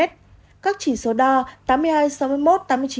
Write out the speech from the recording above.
các chỉ số đo tám mươi hai sáu mươi một tám mươi chín